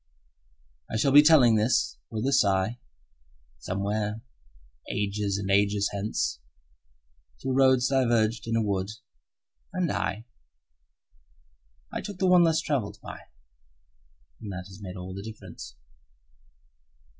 I shall be telling this with a sigh Somewhere ages and ages hence: Two roads diverged in a wood, and I–– I took the one less traveled by, And that has made all the difference.